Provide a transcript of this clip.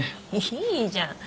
いいじゃん。